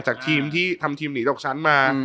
ทีมที่ทำทีมหนีตกชั้นมา